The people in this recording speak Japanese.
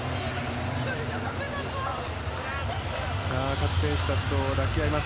各選手たちと抱き合います。